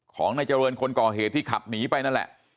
ของนายเจริญคนก่อเหตุที่ขับหนีไปนั่นแหละ